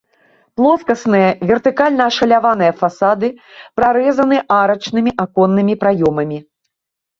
Плоскасныя вертыкальна ашаляваныя фасады прарэзаны арачнымі аконнымі праёмамі.